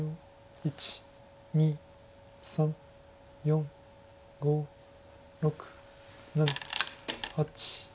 １２３４５６７８９。